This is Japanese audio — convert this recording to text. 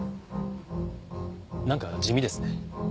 なんか地味ですね。